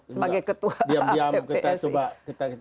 semangat ketua ftsi